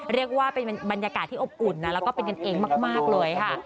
เรียกว่าเป็นบรรยากาศที่อบอุ่นนะแล้วก็เป็นกันเองมากเลยค่ะ